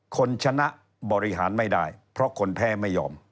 คนชนะบริหารไม่ได้เพราะคนแพ้ไม่ยอม